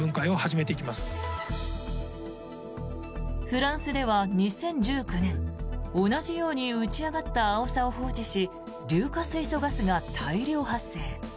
フランスでは２０１９年同じように打ち上がったアオサを放置し硫化水素ガスが大量発生。